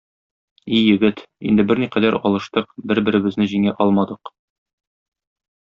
И егет, инде берникадәр алыштык, бер-беребезне җиңә алмадык.